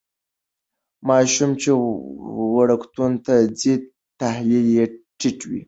ماشوم چې وړکتون ته ځي تحلیل یې ټیټ وي.